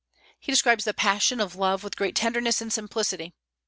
He describes the passion of love with great tenderness and simplicity.